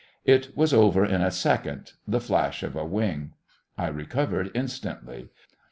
It was over in a second, the flash of a wing. I recovered instantly.